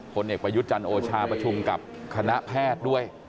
คนเอกประยุจจันโอชาประชุมกับคณะแพทย์ด้วย